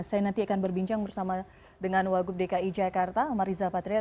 saya nanti akan berbincang bersama dengan wagub dki jakarta amariza patria